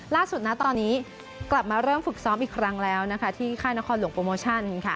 ล่าสุดนะตอนนี้กลับมาเริ่มฝึกซ้อมอีกครั้งแล้วที่ค่ายนครหลวงโปรโมชั่น